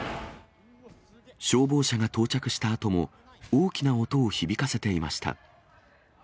消防車が到着したあとも、大きな音を響かせていました。